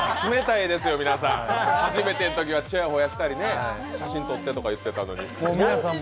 冷たいですよ、皆さん、初めてのときはちやほやして写真撮ってとか言ってたのに。